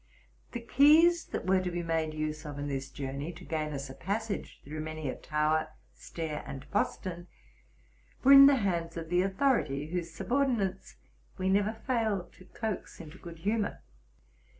The keys that were to be made use of in this journey, to gain us a pas sage through many a tower, stair, and postern, were in the hands of the authorities, whose subordinates we never failed to coax into good humor.